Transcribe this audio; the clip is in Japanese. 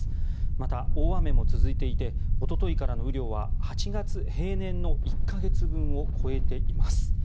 また、大雨も続いていておとといからの雨量は８月平年の１か月分を超えています。